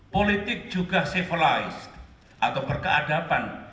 politik juga civilized atau berkeadapan